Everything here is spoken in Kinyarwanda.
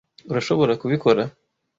Urashobora kubikora?